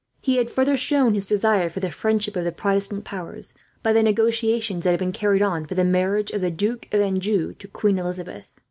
He had further shown his desire for the friendship of the Protestant powers by the negotiations that had been carried on for the marriage of the Duke of Anjou to Queen Elizabeth.